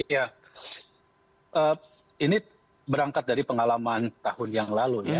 ya ini berangkat dari pengalaman tahun yang lalu ya